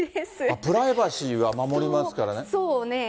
プライバシーは守りますからそうね。